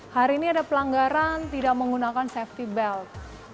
hari ini ada pelanggaran tidak menggunakan safety belt